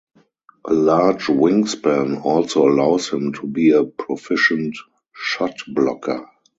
A large wingspan also allows him to be a proficient shot-blocker.